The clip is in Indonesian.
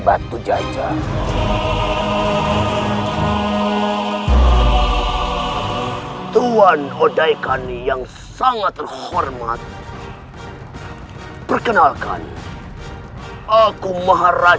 aku tidak mau berurusan dengan wanita